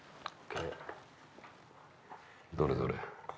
どれどれ？